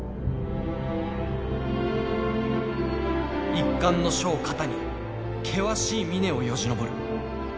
「一巻の書を肩に険しい峰をよじ登る。